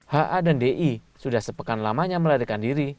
ha dan di sudah sepekan lamanya melarikan diri